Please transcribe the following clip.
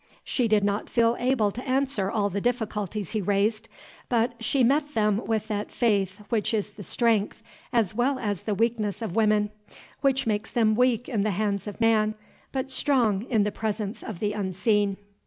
She did not feel able to answer all the difficulties he raised, but she met them with that faith which is the strength as well as the weakness of women, which makes them weak in the hands of man, but strong in the presence of the Unseen.